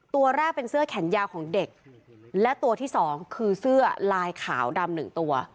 ตัวแรกเป็นเสื้อแขนยาวของเด็กและตัวที่สองคือเสื้อลายขาวดำหนึ่งตัว